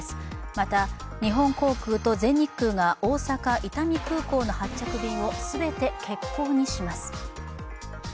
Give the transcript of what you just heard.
また、日本航空と全日空が大阪・伊丹空港の発着便を全て欠航にします。